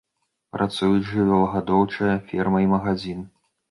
Працуюць жывёлагадоўчая ферма і магазін.